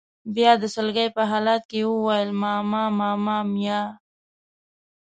بیا د سلګۍ په حالت کې یې وویل: ماما ماما میا.